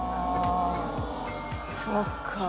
そっか。